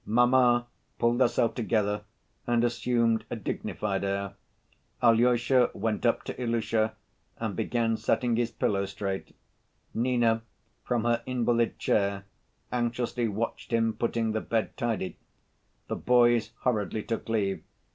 "Mamma" pulled herself together and assumed a dignified air. Alyosha went up to Ilusha and began setting his pillows straight. Nina, from her invalid chair, anxiously watched him putting the bed tidy. The boys hurriedly took leave.